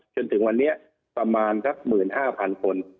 จนถึงวันนี้ประมาณสัก๑๕๐๐๐คน